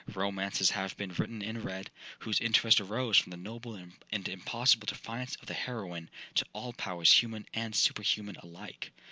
Romances have been written and read, whose interest arose from the noble and impossible defiance of the heroine to all powers human and superhuman alike.